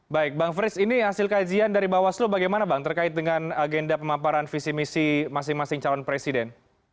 baik bang frits ini hasil kajian dari bawaslu bagaimana bang terkait dengan agenda pemamparan visi misi masing masing calon presiden